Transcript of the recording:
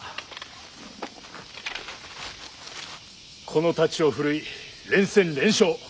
この太刀を振るい連戦連勝。